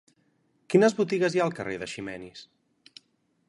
Quines botigues hi ha al carrer d'Eiximenis?